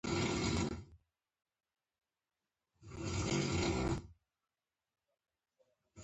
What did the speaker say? د ټرافیک څراغونو ته رعایت د حادثو مخنیوی کوي.